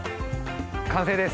完成です。